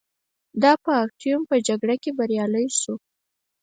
دا په اکتیوم په جګړه کې بریالی شو